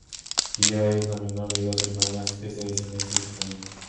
Pia es la menor de dos hermanas, es de ascendencia italiana.